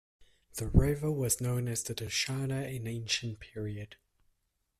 The river was known as the "Dasharna" in ancient period.